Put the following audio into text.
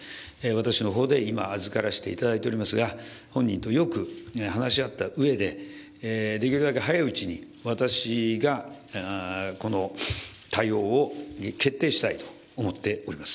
私のほうで今、預からせていただいてますが、本人とよく話し合ったうえで、できるだけ早いうちに私がこの対応を決定したいと思っております。